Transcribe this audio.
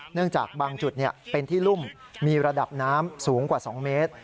เนื่องจากบางจุดเนี่ยเป็นที่ลุ่มมีระดับน้ำสูงกว่าสองเมตร